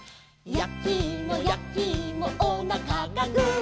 「やきいもやきいもおなかがグー」